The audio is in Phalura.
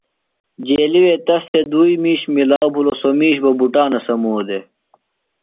جیلیۡ وے تس تھےۡ دُوئی مِیش ملاؤ بِھلوۡ سوۡ مِیش بہ بُٹانہ سمو دےۡ۔